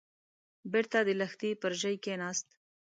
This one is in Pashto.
بېرته د لښتي پر ژۍ کېناست.